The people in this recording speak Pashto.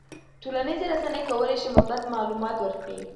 ټولنیزې رسنۍ کولی شي مثبت معلومات ورکړي.